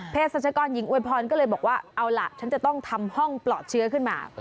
สัชกรหญิงอวยพรก็เลยบอกว่าเอาล่ะฉันจะต้องทำห้องปลอดเชื้อขึ้นมา